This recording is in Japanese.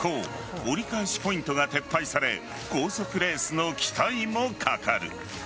折り返しポイントが撤廃され高速レースの期待もかかる。